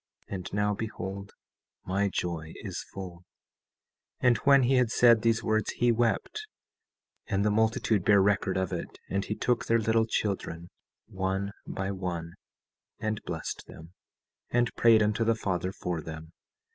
And now behold, my joy is full. 17:21 And when he had said these words, he wept, and the multitude bare record of it, and he took their little children, one by one, and blessed them, and prayed unto the Father for them.